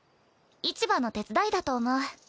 市場の手伝いだと思う。